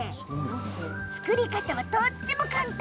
作り方もとっても簡単。